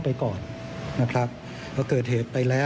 มีความรู้สึกว่ามีความรู้สึกว่า